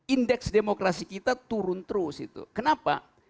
indeks demokrasi kita turun terus itu kenapa